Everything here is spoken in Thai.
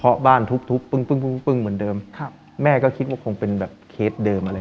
เฎาะบ้านทุบทุบปึ้งปึ้งปึ้งปึ้งเป็นเดิมครับแม่ก็คิดว่าคงเป็นแบบเคสเดิมอะไร